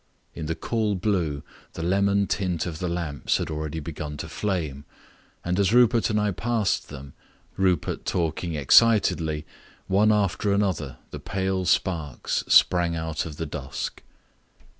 In the cool blue the lemon tint of the lamps had already begun to flame, and as Rupert and I passed them, Rupert talking excitedly, one after another the pale sparks sprang out of the dusk.